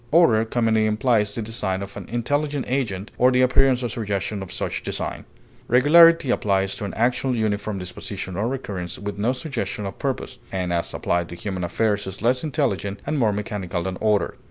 Order commonly implies the design of an intelligent agent or the appearance or suggestion of such design; regularity applies to an actual uniform disposition or recurrence with no suggestion of purpose, and as applied to human affairs is less intelligent and more mechanical than order.